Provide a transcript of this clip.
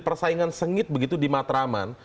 persaingan sengit begitu di matraman